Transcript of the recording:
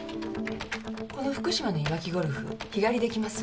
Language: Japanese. この福島のいわきゴルフ日帰りできます。